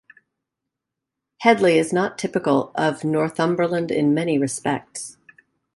Hedley is not typical of Northumberland in many respects.